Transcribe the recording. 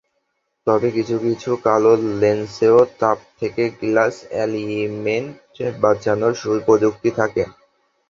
তবে কিছু কিছু কালো লেন্সেও তাপ থেকে গ্লাস এলিমেন্ট বাঁচানোর প্রযুক্তি থাকে।